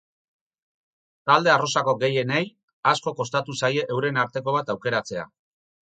Talde arrosako gehienei asko kostatu zaie euren arteko bat aukeratzea.